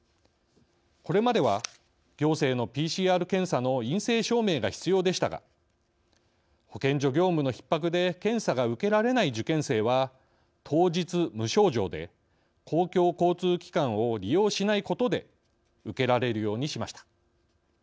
これまでは行政のＰＣＲ検査の陰性証明が必要でしたが保健所業務のひっ迫で検査が受けられない受験生は当日無症状で公共交通機関を利用しないことで受けられるようにしました。